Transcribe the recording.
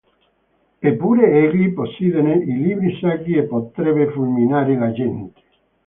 Eppure egli possiede i libri sacri e potrebbe fulminare la gente.